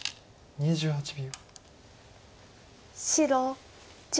２８秒。